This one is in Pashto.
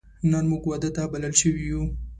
نن موږ واده ته بلل شوی یو